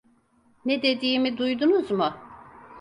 Ne dediğimi duydunuz mu?